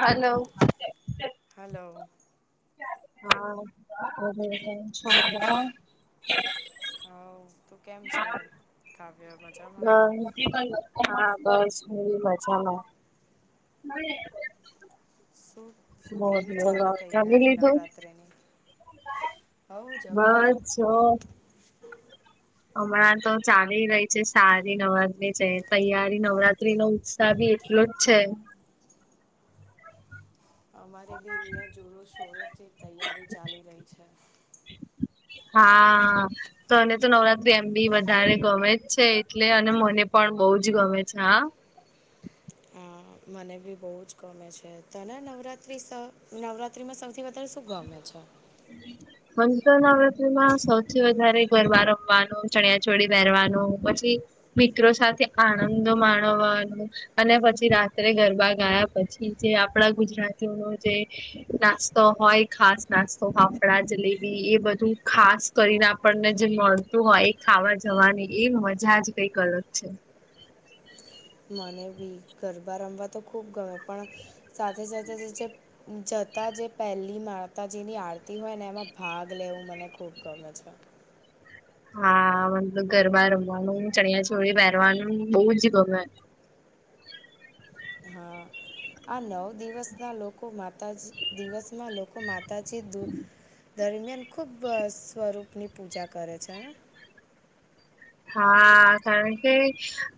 હાલો. Hello હા મને પણ [inaudible] હવ તું કેમ છે? થા [unintelligible] હા બસ હું મજામાં. શું, શું બોલ કેવી બોલો ચાલે જમી તૈયારી લીધું? નવરાત્રિની? હવ જમી બસ લીધું. જો હમણાં તો ચાલી રહી છે સારી નવરાત્રી છે તૈયારી નવરાત્રીનો ઉત સાહ બી એટલો જ છે અમારે બી અહિયાં જોરો શોરોથી તૈયારી ચાલી રહી છે. હા. તોને તો નવરાત્રી એમ બી વધારે ગમે જ છે, એટલે અને મને પણ બહુ જ ગમે છે હા. હા મને બી બહુ જ ગમે છે. તને નવરાત્રી સ નવરાત્રીમાં સૌથી વધ ત્યાર શું ગમે છે? મન તો નવરાતિમાં સૌથી વધારે ગરબા રમવાનું, ચણિયા ચોળી પહેરવાનું પછી મિત્રો સાથે આનંદો માણવાનો. અને પછી રાત્રે ગરબા ગાયા પછી જે આપડા ગુજરાતીઓનો જે નાસ્તો હોય ખાસ નાસ્તો તો ફાફડા જલેબી એ બધું ખાસ કરીને આપણને જે મળતું હોય ખાવા જવાની એ મજા જ કઈક અલગ છે. મને બી ગરબા રમવા તો ખૂબ ગમે પણ સાથે સાથે જે [unintelligible] માતા જે પહેલી માતાજીની આરતી હોય ને એમાં ભાગ લેવું મને ખૂબ ગમે છે. હા મતલબ ગરબા રમવાનું ચણિયા ચોળી પહેરવાનું બહુ જ ગમે હા આ નવ દિવસના લોકો માતાજી દિવસમાં લોકો મા તાજી દૂ દરમિયાન ખૂબ સ્વરૂપની પૂજા કરે છે. હા કારણ કે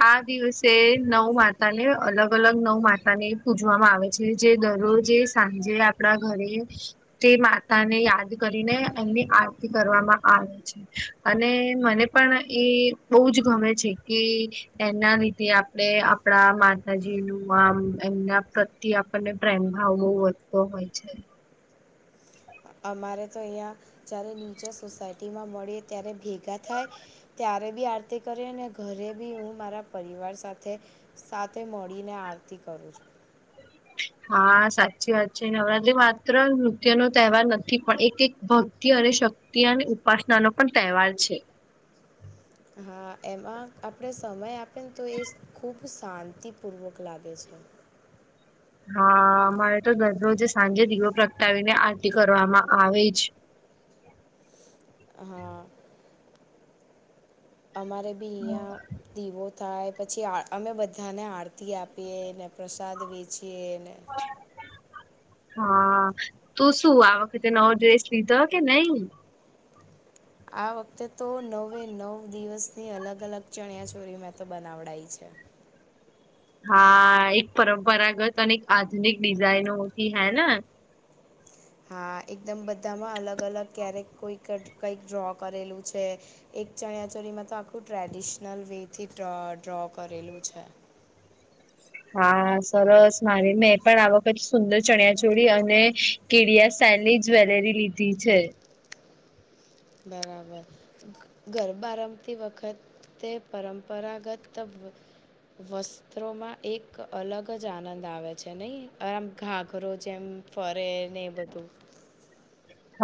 આ દિવસે નવ માતા ને અલગ અલગ નવ માતા ને પૂજવામાં આવે છે. જે જે દરરોજે સાંજે આપડા ઘરે તે માતા ને યાદ કરીને એમની આરતી કરવામાં આવે છે. અને મને પણ એ બઉ જ ગમે છે કે એના લીધે આપણે આપડા માતાજીનું આમ એમના થી આપણને પ્રેમ ભાવ બોઉ વધતો હોય છે. અમારે તો અહીંયા જ્યારે નીચા સોસાયટીમાં મળીએ ત્યારે ભેગા થાય ત્યારે બી આરતી કરીએ અને ઘરે બી હું મારા પરિવાર સાથે સાથે મળીને આરતી કરું છું [inaudible] હા સાચી વાત છે નવરાત્રી માત્ર નૃત્ય નો તહેવાર નથી પણ એક એક ભક્તિ અને શક્તિ અને ઉપાસના નો પણ તહેવાર છે. હા એમાં આપણે સમય આપે ને તો એ ખૂબ શાંતિપૂર્વક લાગે છે. હા અમારે તો દરરોજ સાંજે દીવો પ્રગટાવીને આરતી કરવામાં આવે જ હા. અમારે બી અહીંયા. દીવો થાય પછી આ અમે બધાને આરતી આપીએ ને પ્રસાદ વેચીએ ને [inaudible] હા તું શું આ વખતે નવો ડ્રેસ લીધો કે નહી. આ વખતે તો નવે નવ દિવસની અલગ અલગ ચણિયા ચોરી મેં તો બનાવડાય છે. હા એક પરંપરાગત અને એક આધુનિક ડિઝાઇનોથી હૈ ને. હા એકદમ બધામાં અલગ અલગ ક્યારેક કોઈક કંઈક ડ્રો કરેલું છે. એક ચણિયા ચોરીમાં તો આખું ટ્રેડિશનલ વે થી ડ્રો ડ્રો કરેલું છે. [inaudible] હા સરસ મારે મેં પણ આવખત સુંદર ચણિયા ચોળી અને કેડિયાસ્ની જ્વેલરી લીધી છે. બરાબર ગરબા રમતી વખત તે પરંપરાગત [unintelligible] વસ્ત્રોમાં એક અલગ જ આનંદ આવે છે નહીં આમ ઘાઘરો જેમ ફરે ને એ બધું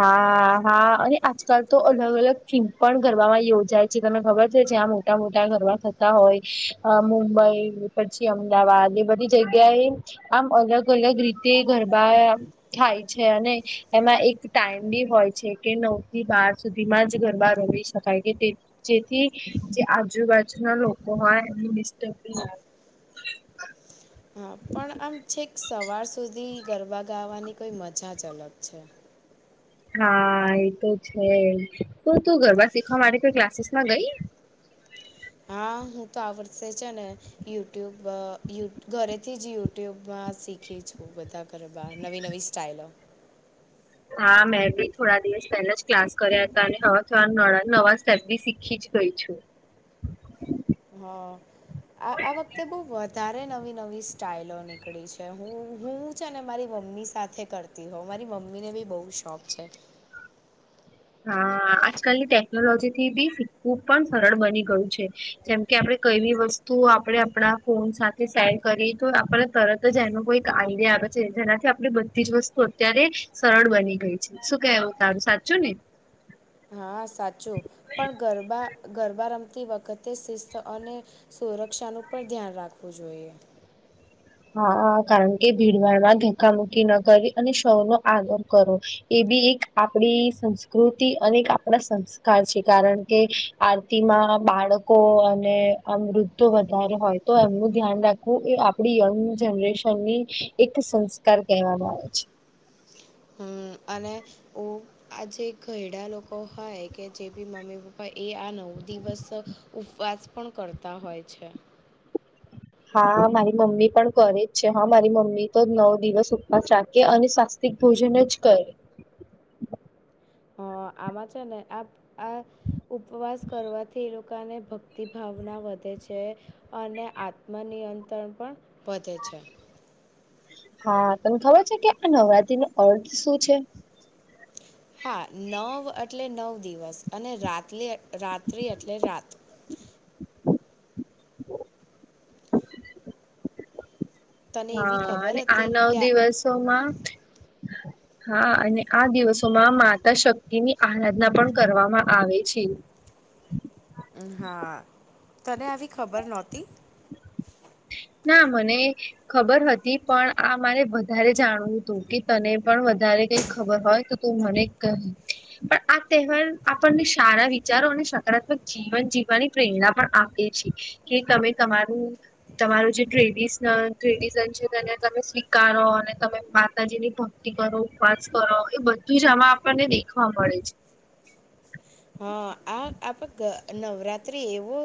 હા હા અને આજકાલ તો અલગ અલગ થીમ પણ ગરબામાં યોજાય છે તમને ખબર છે જે આમ મોટા મોટા ગરબા થતા હોય મુંબઈ પછી અમદાવાદ એ બધી જગ્યા એ આમ અલગ અલગ રીતે ગરબા થાય છે અને એમાં એક ટાઈમલી હોય છે કે નવ થી બાર સુધીમાં જ ગરબા રમી શકાય કે તે જેથી જે આજુબાજુ ના લોકો હોય એમને ડિસ્ટર્બ હા પણ આમ છેક સવાર સુધી ગરબા ગાવાની કોઈ મજા જ અલગ છે. હા એ તો છે તો તું ગરબા શીખવા માટે તો ક્લાસીસ માં ગઈ હા હું તો આ વર્ષે છે ને યુટ્યુબયુ ઘરેથી જ યુટ્યુબમાં શીખી છું બધા ગરબા નવી નવી સ્ટાઇલો હા મેં બી થોડા દિવસ પહેલા જ ક્લાસ કર્યા હતા અને હવે થો નવા સ્ટેપ બી શીખી છે ગઈ છું હ આ આ વખતે બહુ વધારે મારે નવી નવી સ્ટાઇલો નીકળી છે હું હું છે મારી મમ્મી સાથે કર હો મારી મમ્મીને બી બહુ શોખ છે હા આજકાલની ટેકનોલોજી થી બી શીખવું પણ સરળ બની ગયું છે જેમ કે આપણે કઈવી વસ્તુ તો આપણે આપણા ફોન સાથે શેર કરી તો આપણા તરત જ એનો કોઈ આઈડિયા આવે છે જેનાથી આપણે બધી જ વસ્તુ અત્યારે સરળ બની ગઈ છે શું કેવું તારું સાચું ને હા સાચું પણ ગરબા ગરબા રમતી વખત શિસ્ત અને સુરક્ષાનું પણ ધ્યાન રાખવું જોઈએ હા કારણ કે ભીડભાડમાં ધક્કા મુુકી ન કરી અને સૌનો આદર કરવો એ બી એક આપણી સંસ્કૃતિ અને એક આપણા સંસ્કાર છે કારણ કે આરતી માં બાળકો અને અમૃતો વધારે હોય તો એમનું ધ્યાન રાખ હું એ આપડી યંગ જનરેશનની એક સંસ્કાર કહેવામાં આવે છે હમ અને હું આજે ઘયડા લોકો હોય કે જે બી મમ્મી પપ્પા હ એ આ નવ દિવસ ઉપવાસ પણ કરતા હોય છે હા મારી મમ્મી પણ કરે જ છે હા મારી મમ્મી તો નવ દિવસ ઉપવાસ રાકે અને ભોજન જ કરે હ આમાં છે ન આ આ ઉપવાસ કરવાથી એ લોકોને ભક્તિ ભાવના વધે છે અને આત્મનિયંત્રણ પણ વધે છે હા તમને ખબર છે કે આ નવરાત્રી નો અર્થ શું છે હા નવ એટલે નવ દિવસ અને રાત્ર રાત્રિ એટલે રાત તને એવી ખબર હતી કે આ [inaudible] સોમાં [inaudible] હા અને આ દિવસોમાં માતા શક્તિ ની આરાધના પણ કરવામાં આવે છે હા તને આવી ખબર નહોતી ના મને ખબર હતી પણ આ મારે વધારે જાણવું હતું કે તને પણ વધારે કઈ ખબર હોય તો તું મને ક [inaudible] પણ આ તહેવાર આપણને સારા વિચારો અને સકારાત્મક જીવન જીવવાની પ્રેરણા પણ આપે છે કે તમે તમારું તમારું જે ટ્રેડિશનલ ટ્રેડિશન છે તેને તમે સ્વીકારો અને તમે માતાજીની ભક્તિ કરો ઉપવાસ કરો એ બધું જ આમાં આપણને દેખવા મળે છે હા આ પ ગ નવરાત્રિ એવો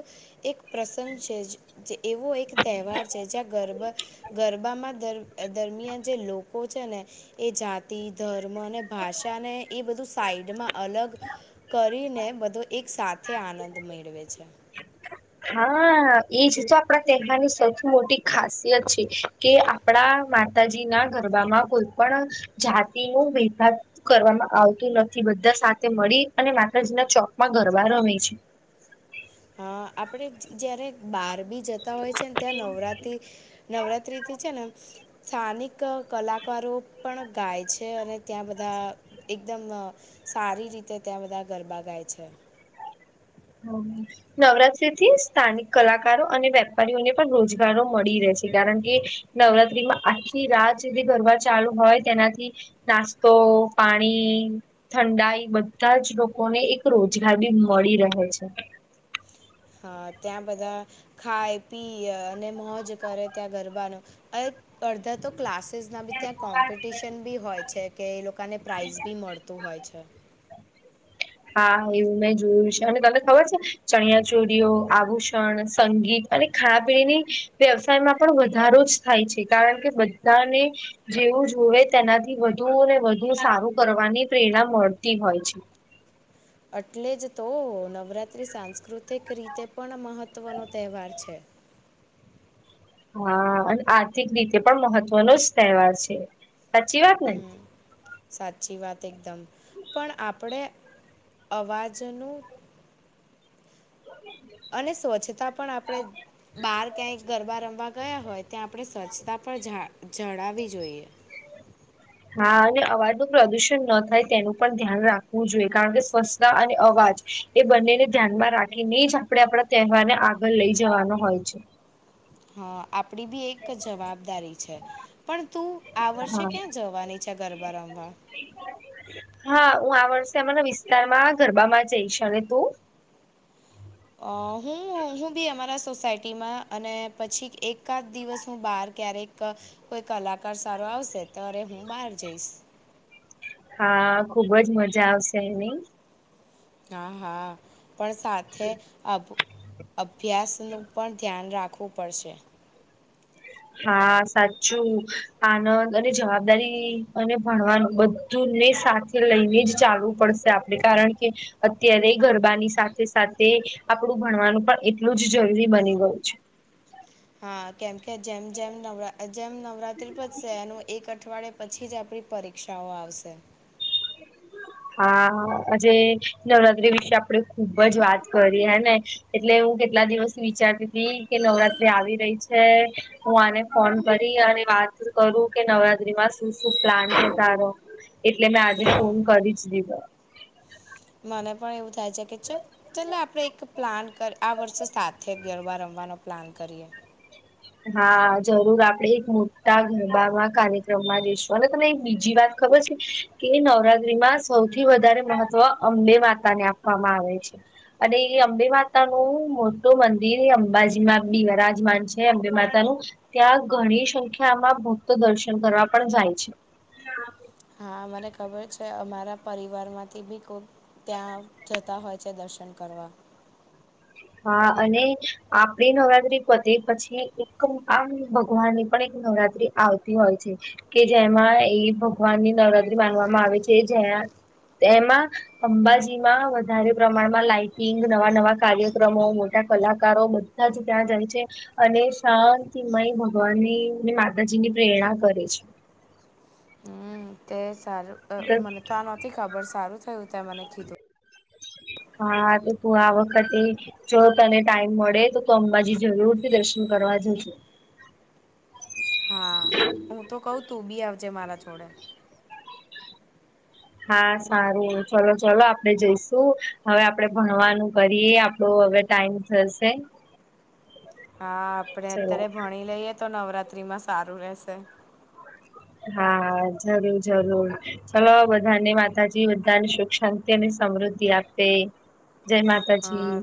એક પ્રસંગ છે જ જે એવો એક તહેવાર છે જ્યાં ગરબા ગરબામાં ધર દરમિયાન જે લોકો છે ને એ જાતિ ધર્મ અને ભાષાને એ બધું સાઈડમાં અલગ કરીને બધો એક સાથે આનંદ મેળવે છે હા એજ તો આપણા તહેવાર ની સૌથી મોટી ખાસિયત છે કે આપણા માતાજી ના ગરબામાં કોઈ પણ જાતિ ન ભેભાગાવ કરવામાં આવતું નથી બધા સાથે મળી અને માત્ર જેના ચોકમાં ગરબા રમે છે હા આપણે જ્યારે બાર બી જતા હોય છે ને ત્યાં નવરાત્રિ નવરાત્રી છે ને સ્થાનિક કલાકારો પણ ગાય છે અને ત્યાં બધા એકદમ સારી રીતે ત્યાં બધા ગરબા ગાય છે હમ નવરાત્રી થી સ્થાનિક કલાકારો અને વેપારીઓને પણ રોજગારો મળી રહે છે કારણ કે નવરાત્રીમાં આખી રાત જેથી ઘરબર ચાલુ હોય તેનાથી નાસ્તો પાણી ઠંડા એ બધા જ લોકો ને એક રોજગાર બી મળી રહે છે હા ત્યાં બધા ખાય પી અને મોજ કરે ત્યાં ગરબાનો અડધા તો ક્લાસીસના બી ત્યાં કોમ્પિટિશન બી હોય છે કે એ લોકોને પ્રાઇઝ બી મળતું હોય છે હા એવું મેં જોયું છે અને તને ખબર છે ચણિયા ચોરીઓ આભૂષણ સંગીત અને ખાણા પીણીની વ્યવસાયમાં પણ વધારો જ થાય છે કારણ કે બધાને જેવું જોવે તેનાથી વધુ ને વધુ સારું કરવાની પ્રેરણા મળતી હોય છે એટલે જ તો નવરાત્રિ સાંસ્કૃતિક રીતે પણ મહત્ત્વનો તહેવાર છે હા અને આર્થિક રીતે પણ મહત્વનો જ તહેવાર છે સાચી વાત ને હમ સાચી વાત એકદમ પણ આપણે અવાજનું અને સ્વચ્છતા પણ આપણે બહાર ક્યાંય ગરબા રમવા ગયા હોય ત્યાં આપણે સ્વચ્છતા પણ જા જડાવવી જોઈએ હા અને અવાજ ન પ્રદુષણ ન થાય તેનું પણ ધ્યાન રાખવું જોઈએ કારણ કે સ્વચ્છતા અને અવાજ એ બંનેને ધ્યાનમાં રાખીને જ આપડણે આપણા તહેવાર ને આગળ લઈ જવાનો હોય છે હા આપડી બી એક જવાબદારી છે પણ તું આ વર્ષે હા. ક્યાં જવાની અા ગરબા રમભ હા હું આ વર્ષે અમારા વિસ્તારમાં ગરબામાં જઈશ અને તું અ હું હું બી અમારા સોસાયટી ટીમાં અને પછી એકાદ દિવસ હું બહાર ક્યારેક કોઈ કલાકાર સારો આવશે તોરે હું બહાર જઈશ હા ખુબજ મજા આવશે એની હા હા પણ સાથે આભ અભ્યાસનું પણ ધ્યાન રાખવું પડશે હા સાચું આનંદ અને જવાબદારી અને ભણવાનું બ ૂને સાથે લઈને જ ચાલવું પડશે આપણે કારણ કે અત્યારે ગરબાની સાથે સાથે આપણું ભણવાનું પણ એટલું જ જરૂરી બની ગયું છે હા કેમ કે જેમ જેમ નવ જેમ નવરાત્રી પશે એનું એક અઠવાડયે પછી જ આપણી પરીક્ષાઓ આવશે હા આજે નવરાત્રી વિશે આપણેે ખુબ જ વાત કરી હે ને એટલે હું કેટલા દિવસ વિચારતી હતી કે નવરાત્રી આવી રહી છે હું આને ફોન કરી અને વાત કરું કે નવરાત્રીમાં શું શું પ્લાન છે તારો એટલે મે હા મને પણ એવું થાય છે કે છેક ચાલ આપણેે એક પ્લાન આ વર્ષે સાથે ગરબા રમવાનો પ્લાન કરીએ હા જરૂર આપડે એક મોટા ગરબામાં કાર્યક્રમમાં જઈશું અને તમે બીજી વાત ખબર છે કે નવરાત્રીમાં સૌથી વધારે મહત્વ અંબે માતા ને આપવામાં આવે છે. અને એ અંબે માતા નું મોટું મંદિર એ અંબાજીમાં બી વરાજમાન છે. અંબે માતા નું ત્યાં ઘણી સંખ્યામાં ભક્તો દર્શન કરવા પણ જાય છે. હા હા મને ખબર છે અમારા પરિવારમાંથી બી ખુબ ત્યાં જતા હોય છે દર્શન કરવા હા અને આપડી નવરાત્રી પોતે પછી એક આમ ભગવાનની પણ એક નવરાત આવતી હોય છે કે જેમાં એ ભગવાન ની નવરાત્રી માનવામાં આવે છે જ્યાં એમાં અંબાજીમાં વધારે પ્રમાણમાં લાાઈટિંગ નવા નવા કાર્યક્રમો મોટા કલાકારો બધા જ ત્યાં જાય છે અને શાંતિમય ભગવાનની માતાજી ની પ્રેરણા કરે છે. હમ તે સારું મને તો આ નોતી ખબર સારું થયું ત મને કીધુ હા તો તું આ વખતે જો તને ટાઈમ મળે તો તો અંબાજી જરૂર થી દર્શન કરવા જજો હા હું તો કઉ તું બી આવજે મારા જોડે હા સારું ચલો ચલોો આપડે જઈશું હવે આપડે ભણવાનું કરીએ આપડું હવે ટાઈમ થશે. હા આપડ ચલો અત્યારે ભણી લઈએ તો નવરાત્રી માં સારું રેશે હા જરૂર જરૂર ચલોો બધાને માતાજી બધાને સુખ શાંતિ તેની સમૃદ્ધિ આપે જય હા, માતાજી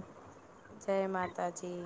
જય માતાજી